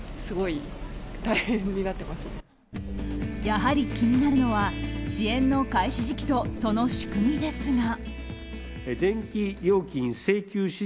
やはり気になるのは支援の開始時期とその仕組みですが。